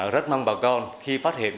rất mong bà con khi phát hiện